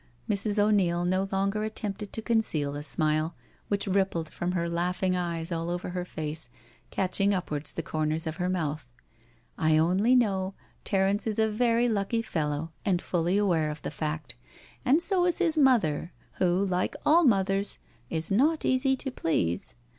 Mrs. O'Neil no longer attempted to conceal the smile which rippled from her laughing eyes all over her face, catching upwards the corners of her mouth. " I only know Terence is a very lucky fellow and fully aware of the fact — ^and so is his mother who, like all mothers, is not easy to please.